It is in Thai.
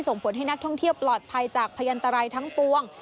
ส่งผลให้นักท่องเที่ยวปลอดภัยจากพยันตรายทั้งปวง